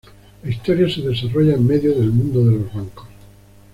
La historia se desarrolla en medio del mundo de los bancos.